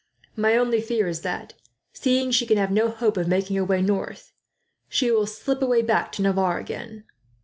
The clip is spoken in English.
"My only fear is that, seeing she can have no hope of making her way north, she will slip away back to Navarre again.